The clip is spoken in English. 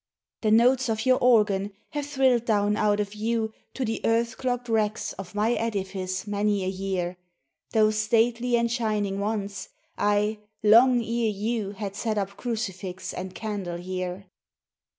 "The notes of your organ have thrilled down out of view To the earth clogged wrecks of my edifice many a year, Though stately and shining once—ay, long ere you Had set up crucifix and candle here.